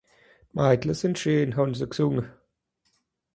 De Maidle se scheen, han se gsunge.